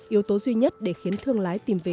yếu tố duy nhất để khiến thương lái tìm về